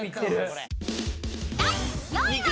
［第４位は］